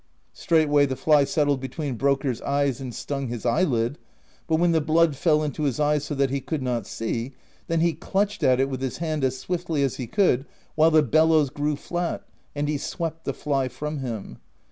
Straightway the fly settled between Brokkr's eyes and stung his eyelid, but when the blood fell into his eyes so that he could not see, then he clutched at it with his hand as swiftly as he could, — while the bellows grew flat, — and he swept the fly from him.